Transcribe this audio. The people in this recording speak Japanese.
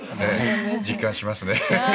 実感しますね。